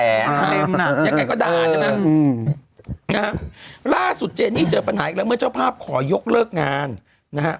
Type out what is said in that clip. ยังไงก็ด่าใช่ไหมนะฮะล่าสุดเจนี่เจอปัญหาอีกแล้วเมื่อเจ้าภาพขอยกเลิกงานนะฮะ